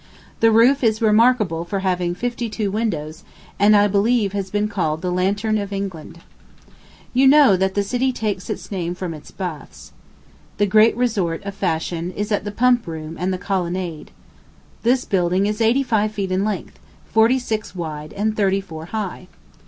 The roof is remarkable for having fifty two windows, and I believe has been called the Lantern of England. You know that the city takes its name from its baths. The great resort of fashion is at the Pump room and the Colonnade. This building is eighty five feet in length, forty six wide, and thirty four high.